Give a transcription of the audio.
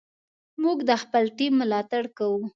موږ د خپل ټیم ملاتړ کوو.